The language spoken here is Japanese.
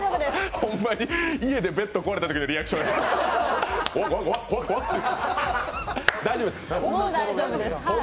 ホンマに家でベッドが壊れたときのリアクションやん。